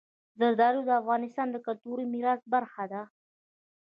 زردالو د افغانستان د کلتوري میراث برخه ده.